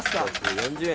６４０円。